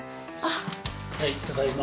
はい、ただいま。